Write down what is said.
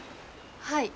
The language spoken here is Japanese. はい。